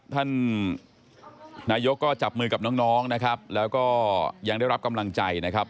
ท่านนายกก็จับมือกับน้องนะครับแล้วก็ยังได้รับกำลังใจนะครับ